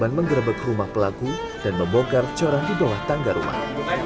korban menggerebek rumah pelaku dan membongkar corak di bawah tangga rumah